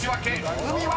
［海は⁉］